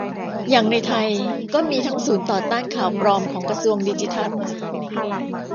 อย่างในไทยก็มีทั้งศูนย์ต่อต้านข่าวปลอมของกระทรวงดิจิทัล